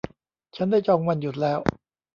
ฉันได้จองวันหยุดแล้ว